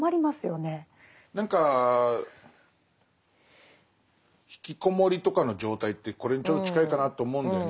何か引きこもりとかの状態ってこれにちょっと近いかなと思うんだよね。